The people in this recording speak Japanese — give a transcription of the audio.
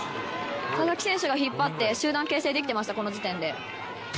佐々木選手が引っ張って、集団形成できてました、この時点で。